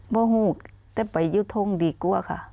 ไม่อยู่ทุ่งแต่ไปอยู่ทุ่งดีกว่าค่ะ